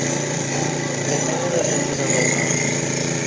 Depende do sentido do humor.